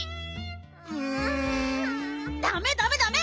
うん。ダメダメダメ！